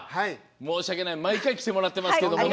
申し訳ない、毎回来てもらってますけどね。